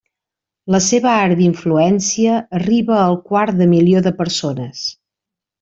La seva àrea d'influència arriba al quart de milió de persones.